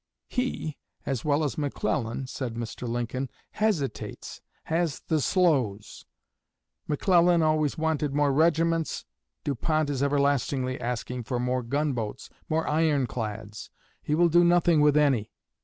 'He, as well as McClellan,' said Mr. Lincoln, 'hesitates has the slows. McClellan always wanted more regiments; Du Pont is everlastingly asking for more gun boats more iron clads. He will do nothing with any.